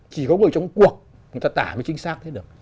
chỉ có người trong cuộc người ta tả mới chính xác thế được